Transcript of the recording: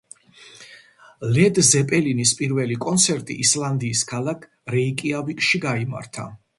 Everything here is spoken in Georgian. ლედ ზეპელინის პირველი კონცერტი ისლანდიის ქალაქ რეიკიავიკში გაიმართა.